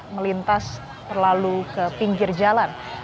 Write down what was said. melintas terlalu ke pinggir jalan